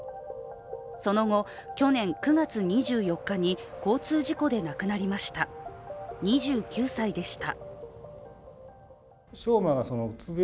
その後、去年９月２４日に交通事故で亡くなりました、２９歳でした。